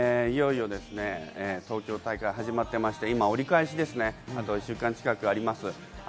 いよいよ東京大会が始まっていて今、折り返し、あと１週間近くあります。